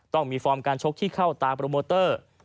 ต้องมีฟอร์มการชกที่เข้าตาโปรโมเตอร์